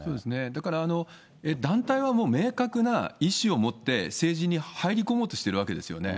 だから団体は明確な意思を持って、政治に入り込もうとしているわけですよね。